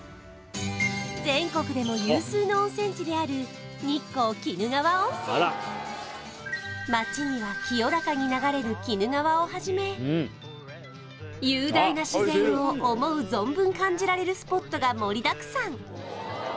全国でも有数の温泉地である町には清らかに流れる鬼怒川をはじめ雄大な自然を思う存分感じられるスポットが盛りだくさん